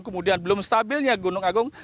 kemudian belum stabilnya gunung agung